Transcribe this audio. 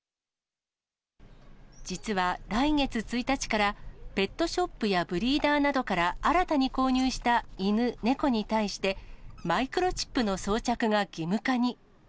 実は、来月１日から、ペットショップやブリーダーなどから新たに購入した犬、猫に対して、マイクロチップの装着が義務化に。